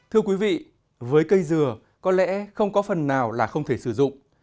thưa quý vị với cây dừa có lẽ không có phần nào là không thể sử dụng